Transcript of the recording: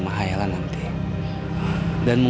ya kalau delivers pelik dengan gue